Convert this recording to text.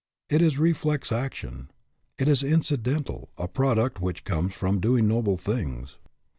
It is reflex action. It is incidental ; a product which comes from doing noble things.